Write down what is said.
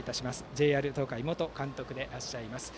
ＪＲ東海元監督でいらっしゃいます。